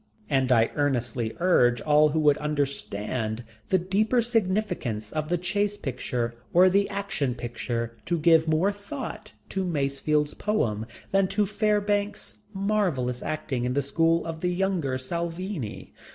And I earnestly urge all who would understand the deeper significance of the "chase picture" or the "Action Picture" to give more thought to Masefield's poem than to Fairbanks' marvellous acting in the school of the younger Salvini.